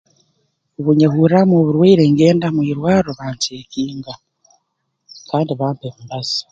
Obu nyehurraamu oburwaire ngenda mu irwarro bancekinga kandi bampa emibazi